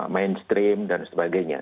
mainstream dan sebagainya